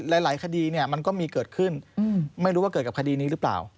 หลายคดีเนี่ยมันก็มีเกิดขึ้นไม่รู้ว่าเกิดกับคดีนี้หรือเปล่า